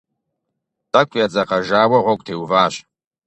Тӏэкӏу едзэкъэжауэ гъуэгу теуващ.